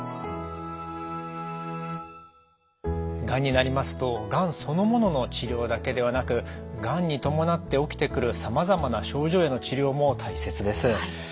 がんになりますとがんそのものの治療だけではなくがんに伴って起きてくるさまざまな症状への治療も大切です。